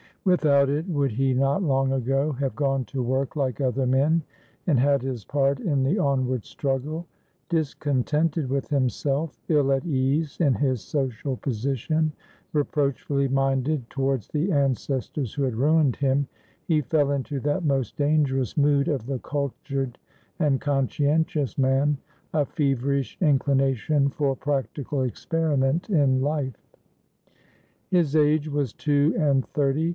Without it, would he not long ago have gone to work like other men, and had his part in the onward struggle? Discontented with himself, ill at ease in his social position, reproachfully minded towards the ancestors who had ruined him, he fell into that most dangerous mood of the cultured and conscientious man, a feverish inclination for practical experiment in life. His age was two and thirty.